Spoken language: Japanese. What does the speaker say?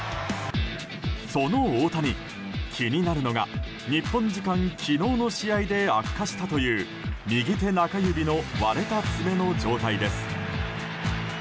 その大谷、気になるのが日本時間、昨日の試合で悪化したという右手中指の割れた爪の状態です。